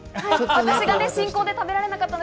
私が進行で食べられなかった